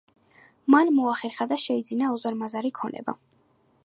მან მოახერხა და შეიძინა უზარმაზარი ქონება.